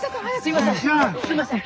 すいません。